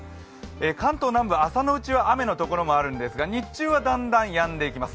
関東南部、朝のうちは雨のこところもあるんですが、日中はだんだんやんでいきます。